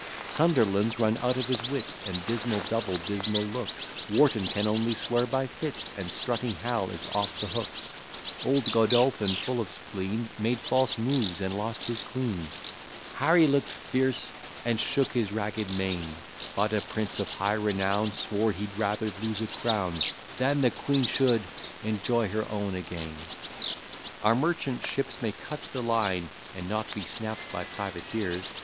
Sunderland's run out of his wits, And Dismal double Dismal looks; Wharton can only swear by fits, And strutting Hal is off the hooks; Old Godolphin, full of spleen, Made false moves, and lost his Queen: Harry look'd fierce, and shook his ragged mane: But a Prince of high renown Swore he'd rather lose a crown, "Than the Queen should enjoy her own again." Our merchant ships may cut the line, And not be snapt by privateers.